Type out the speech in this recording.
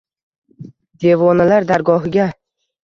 Devonalar dargohiga